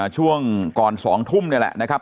ช่วงก่อน๒ทุ่มนี่แหละนะครับ